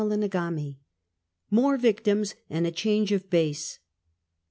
CHAPTEE LXXIL MORE VICTIMS AND A CHANGE OF BASE.